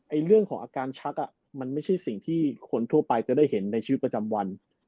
เรื่องของอาการชักมันไม่ใช่สิ่งที่คนทั่วไปจะได้เห็นในชีวิตประจำวัน